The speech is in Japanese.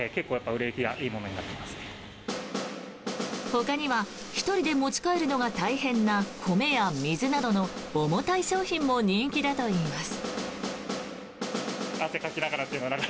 ほかには１人で持ち帰るのが大変な米や水などの重たい商品も人気だといいます。